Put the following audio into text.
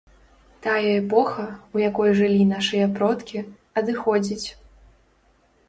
Тая эпоха, у якой жылі нашыя продкі, адыходзіць.